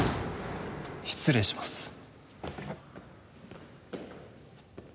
失礼します。